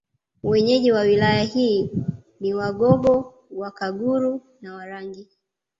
Wenyeji wa Wilaya hii ni Wagogo Wakaguru na Warangi